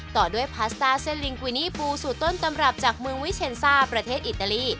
ต่อด้วยพาสต้าเส้นลิงกุยนี่ปูสูตรต้นตำรับจากเมืองวิเชนซ่าประเทศอิตาลี